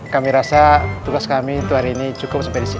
kami rasa tugas kami tuhan ini cukup sampai di sini